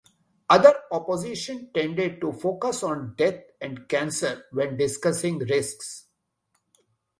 Other opposition tended to focus on "death" and "cancer" when discussing risks.